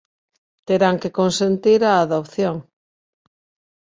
Terán que consentir a adopción